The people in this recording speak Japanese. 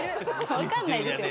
わかんないですよ。